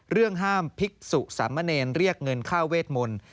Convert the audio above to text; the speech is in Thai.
เรื่องห้ามภิกษุสามเณรเรียกเงินค่าเวทมนต์